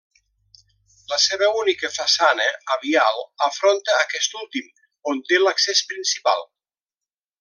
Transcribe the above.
La seva única façana a vial afronta aquest últim, on té l'accés principal.